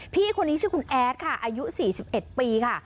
พี่คนนี้ชื่อคุณแอดค่ะอายุ๔๑ปีค่ะ